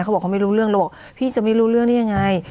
เขาบอกเขาไม่รู้เรื่องเลยบอกพี่จะไม่รู้เรื่องได้ยังไง